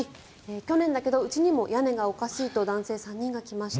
去年だけど、うちにも屋根がおかしいと男性３人が来ました。